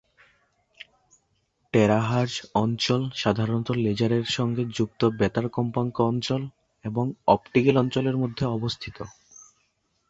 Terahertz অঞ্চল সাধারণত লেজারের সঙ্গে যুক্ত বেতার কম্পাঙ্ক অঞ্চল এবং অপটিক্যাল অঞ্চলের মধ্যে অবস্থিত।